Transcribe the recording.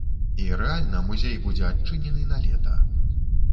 І рэальна музей будзе адчынены на лета.